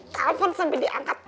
telepon sampe diangkat